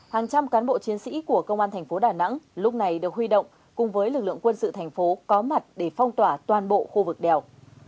hàng trăm cán bộ chiến sĩ của công an thành phố đà nẵng lúc này được huy động cùng với lực lượng quân sự thành phố có mặt để phong tỏa toàn bộ khu vực đèo